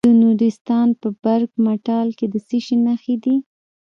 د نورستان په برګ مټال کې د څه شي نښې دي؟